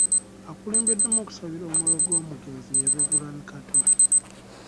Akulembeddemu okusabira omwoyo gw'omugenzi ye Reverand Kato